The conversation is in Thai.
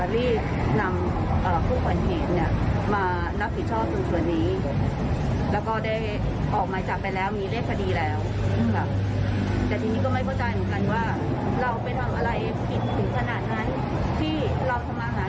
ตำรวจได้ข้อมูลหมดแล้วนะครับ